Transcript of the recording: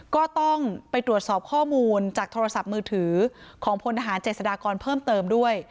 ก็ต้องไปตรวจสอบข้อมูลจากโทรศัพท์มือถือของพลทหารเจษฎากรเพิ่มเติมด้วย